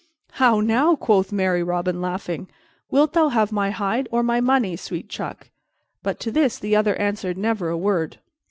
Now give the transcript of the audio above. "How now!" quoth merry Robin, laughing. "Wilt thou have my hide or my money, sweet chuck?" But to this the other answered never a word.